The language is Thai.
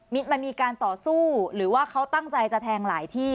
มันมีการต่อสู้หรือว่าเขาตั้งใจจะแทงหลายที่